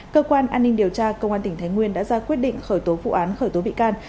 cơ quan an ninh điều tra công an tỉnh thái nguyên đã ra quyết định khởi tố vụ án khởi tố bị can